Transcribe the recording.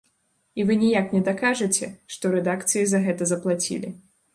І вы ніяк не дакажаце, што рэдакцыі за гэта заплацілі.